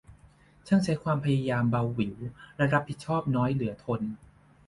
ช่างใช้ความพยายามเบาหวิว และรับผิดชอบน้อยเหลือทน